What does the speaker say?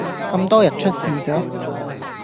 咁多人出事嘅?